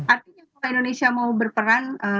artinya kalau indonesia mau berperan